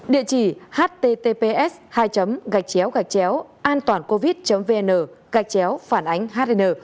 địa chỉ https hai gạch chéo gạch chéo antoancovid vn gạch chéo phản ánh hn